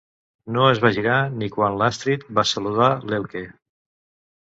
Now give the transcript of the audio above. No es va girar ni quan l'Astrid va saludar l'Elke.